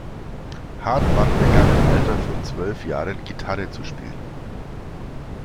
Hartmann begann im Alter von zwölf Jahren Gitarre zu spielen.